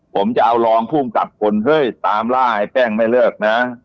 ผมจะเอารองภูมิกับคนเฮ้ยตามล่าไอ้แป้งไม่เลิกนะ